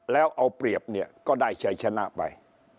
แล้วเอาเปรียบเนี่ยก็ได้ชัยชนะไป